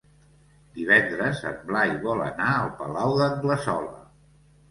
Divendres en Blai vol anar al Palau d'Anglesola.